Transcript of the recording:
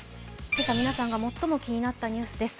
今朝皆さんが最も気になったニュースです。